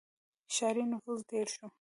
• ښاري نفوس ډېر شو.